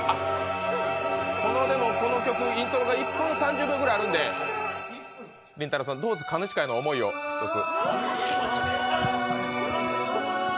でもこの曲、イントロが１分３０秒くらいあるんでりんたろーさん、どうですか、兼近への思いをひとつ。